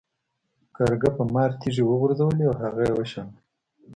کارغه په مار تیږې وغورځولې او هغه یې وشړل.